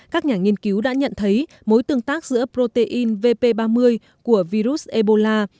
các nhà nghiên cứu đã nhận thấy mối tương tác giữa protein vp ba mươi của virus ebola